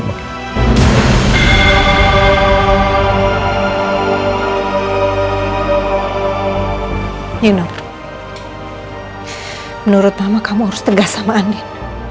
menurut mama kamu harus tegas sama aneh